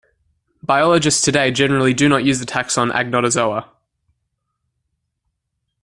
Biologists today generally do not use the taxon Agnotozoa.